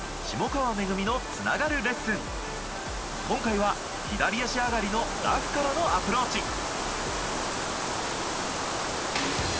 今回は左足上がりのラフからのアプローチ！